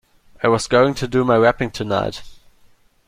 I was going to do my wrapping tonight.